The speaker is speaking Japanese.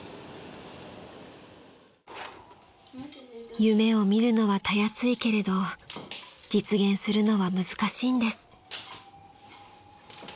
［夢を見るのはたやすいけれど実現するのは難しいんです］